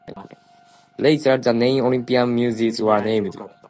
Later, the Nine Olympian Muses were named.